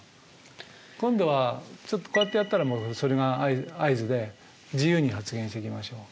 今度はちょっとこうやってやったらそれが合図で自由に発言していきましょう。